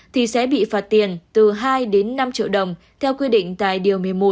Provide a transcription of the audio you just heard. thì sẽ bị phạt tiền từ hai đến năm triệu đồng theo quy định tài điều một mươi một